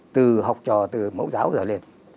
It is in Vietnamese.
từ học trò từ mẫu giáo ra lên